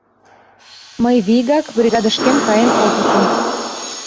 Мый вигак бригадышкем каен колтышым.